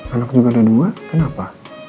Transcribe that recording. anak juga ada dua kenapa